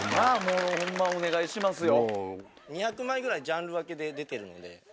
ホンマお願いしますよ。